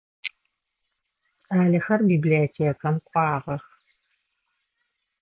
Кӏалэхэр библиотекэм кӏуагъэх.